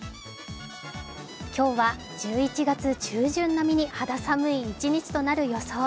今日は１１月中旬並みに肌寒い気温となる予想。